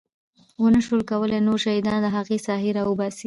ونه شول کولی نور شهیدان له هغې ساحې راوباسي.